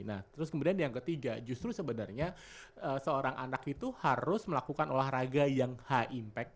nah terus kemudian yang ketiga justru sebenarnya seorang anak itu harus melakukan olahraga yang high impact